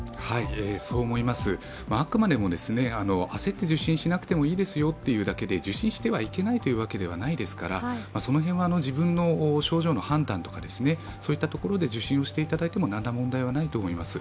そう思います、あくまでも焦って受診しなくてもいいですよというだけで受診してはいけないというわけではないですからその辺は自分の症状の判断で受診をしていただいても、なんら問題はないと思います。